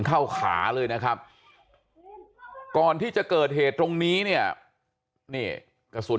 ขาเลยนะครับก่อนที่จะเกิดเหตุตรงนี้เนี่ยนี่กระสุน